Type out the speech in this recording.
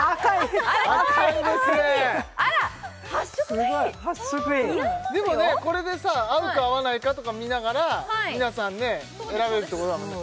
すごい発色いいでもねこれでさ合うか合わないかとか見ながら皆さんね選べるってことだもんね